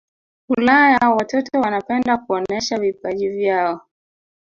ulaya watoto wanapenda kuonesha vipaji vyao